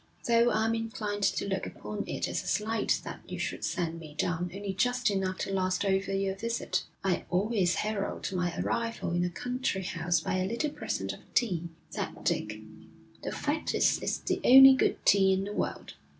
Though I'm inclined to look upon it as a slight that you should send me down only just enough to last over your visit.' 'I always herald my arrival in a country house by a little present of tea,' said Dick. 'The fact is it's the only good tea in the world.